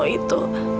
aku tidak mau